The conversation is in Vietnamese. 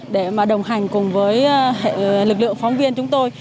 để mà đồng hành cùng với hệ lực lượng phóng viên chúng tôi